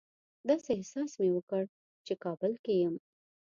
داسې احساس مې وکړ چې کابل کې یم.